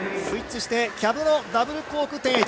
スイッチしてキャブのダブルコーク１０８０。